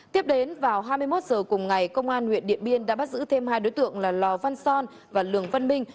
tiếp đến vào hai mươi một h cùng ngày công an huyện điện biên đã bắt giữ thêm hai đối tượng là lò văn son và lường văn minh